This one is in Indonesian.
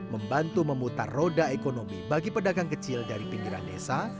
membantu memutar roda ekonomi bagi pedagang kecil dari pinggiran desa